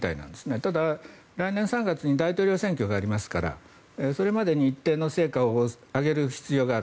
ただ、来年３月に大統領選挙がありますからそれまでに一定の成果を上げる必要がある。